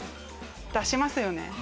出しますよね。